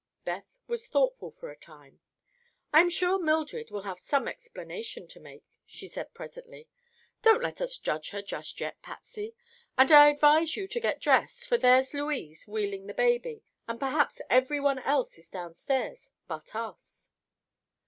Beth was thoughtful for a time. "I am sure Mildred will have some explanation to make," she said presently. "Don't let us judge her just yet, Patsy. And I advise you to get dressed, for there's Louise wheeling the baby, and perhaps everyone else is downstairs but us."